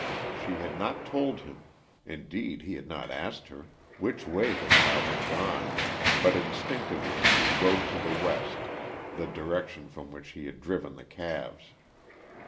She had not told him indeed, he had not asked her which way the cow had gone, but instinctively he rode to the west, the direction from which he had driven the calves.